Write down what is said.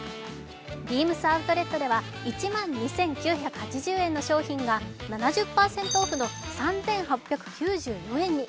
ＢＥＡＭＳＯＵＴＬＥＴでは１万２９８０円の商品が７０％オフの３８９４円に。